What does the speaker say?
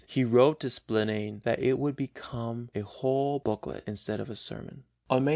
he wrote to Spalatin that it would become a whole booklet instead of a sermon; on May 5.